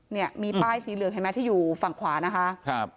มีป้ายฟิลเจอร์บอร์ดสีเหลืองเห็นไหมที่อยู่ฝั่งขวานะคะ